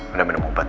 udah minum obat